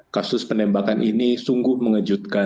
karena kasus penembakan ini sungguh mengejutkan